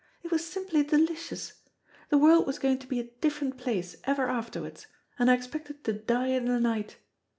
It was simply delicious. The world was going to be a different place ever afterwards, and I expected to die in the night.